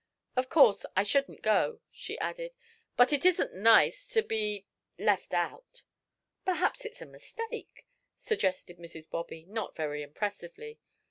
"Of course I shouldn't go," she added, "but it isn't nice to be left out." "Perhaps it's a mistake," suggested Mrs. Bobby, not very impressively.